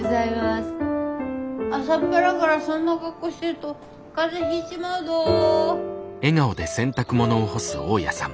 朝っぱらからそんな格好してると風邪ひいちまうぞ。